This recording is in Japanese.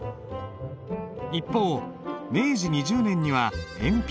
一方明治２０年には鉛筆。